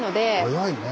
早いね。